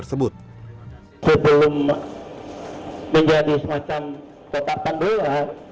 sebelum menjadi semacam tetapan luar